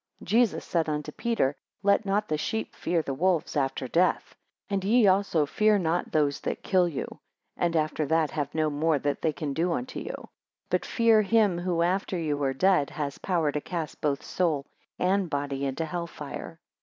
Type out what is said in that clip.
Jesus said unto Peter, Let not the sheep fear the wolves after death: And ye also fear not those that kill you, and after that have no more than they can do unto you; but fear him who after you are dead, has power to cast both soul and body into hell fire.